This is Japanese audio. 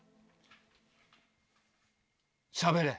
しゃべれ！